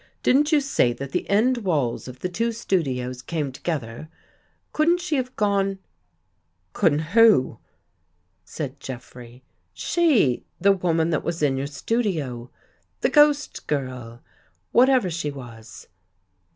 Didn't you say that the end walls of the two studios came to gether? Couldn't she have gone. ...?"" Couldn't who? " said Jeffrey. "She — the woman that was In your studio? The ghost girl — whatever she was?